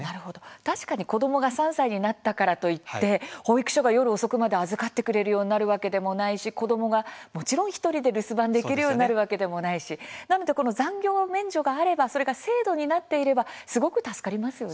確かに子どもが３歳になったからといって保育所が夜遅くまで預かってくれるようになるわけでもないし子どもがもちろん１人で留守番できるようになるわけでもないしなので残業免除があればそれが制度になっていればすごく助かりますね。